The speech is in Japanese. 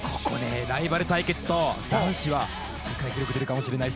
ライバル対決と、男子は世界記録出るかもしれない。